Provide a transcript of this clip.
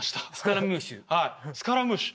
スカラムーシュ。